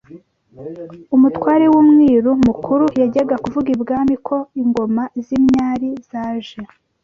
Umutware w’umwiru mukuru yajyaga kuvuga i Bwami ko ingoma z’imyari zaje